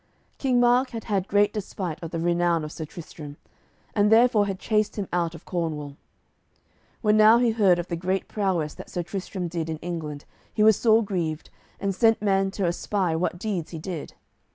King Mark had had great despite of the renown of Sir Tristram, and therefore had chased him out of Cornwall. When now he heard of the great prowess that Sir Tristram did in England he was sore grieved, and sent men to espy what deeds he did.